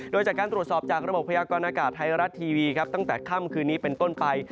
โดยจากการตรวจสอบจากระบบพยากรณากาศไทยรัฐทีวีครับตั้งแต่ค่ำคืนนี้เป็นต้นไป